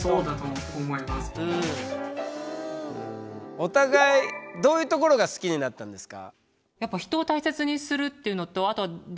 お互いどういうところが好きになったんですか？